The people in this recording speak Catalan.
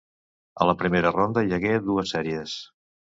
A la primera ronda hi hagué dues sèries.